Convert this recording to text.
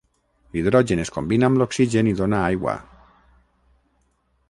L'hidrogen es combina amb l'oxigen i dona aigua.